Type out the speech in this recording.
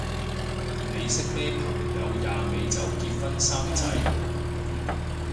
你識咩朋友廿尾就結婚生仔？